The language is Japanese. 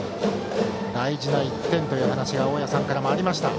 大事な１点という話が大矢さんからもありました。